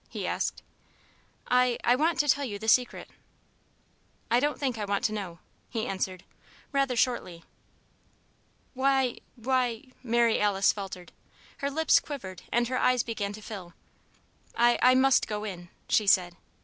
he asked. "I I want to tell you the Secret." "I don't think I want to know," he answered, rather shortly. "Why why " Mary Alice faltered. Her lips quivered and her eyes began to fill. "I I must go in," she said.